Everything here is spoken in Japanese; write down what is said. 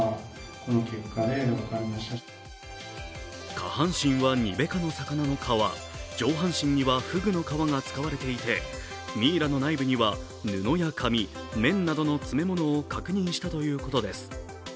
下半身はニベ科の魚の皮、上半身にはふぐの皮が使われていて、ミイラの内部には布や紙綿などの詰め物を確認したということです。